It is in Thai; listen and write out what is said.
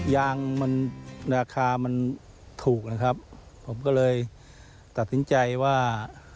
ยางมันราคามันถูกนะครับผมก็เลยตัดสินใจว่า